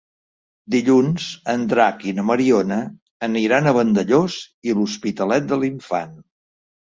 Dilluns en Drac i na Mariona aniran a Vandellòs i l'Hospitalet de l'Infant.